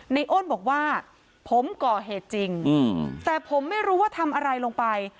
อ้นบอกว่าผมก่อเหตุจริงแต่ผมไม่รู้ว่าทำอะไรลงไป